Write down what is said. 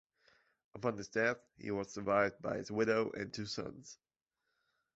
Upon his death he was survived by his widow and two sons.